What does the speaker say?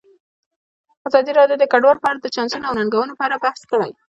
ازادي راډیو د کډوال په اړه د چانسونو او ننګونو په اړه بحث کړی.